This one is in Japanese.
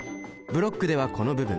ブロックではこの部分。